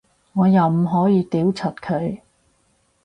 我又唔可以屌柒佢